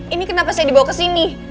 ini kenapa saya dibawa ke sini